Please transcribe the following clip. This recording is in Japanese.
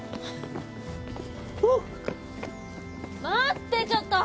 待ってちょっと。